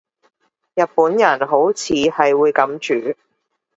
日本人好似係會噉煮